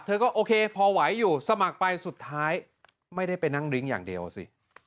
เธอก็โอเคพอไหวอยู่สมัครไปสุดท้ายไม่ได้ไปนั่งริ้งอย่างเดียวสิ